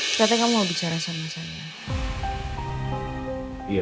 katanya kamu mau bicara sama saya